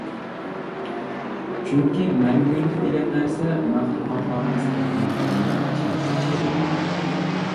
چۈنكى مەڭگۈلۈك دېگەن نەرسە مەخلۇقاتلارغا نىسبەتەن ئېيتقاندا چەكلىك بولىدۇ.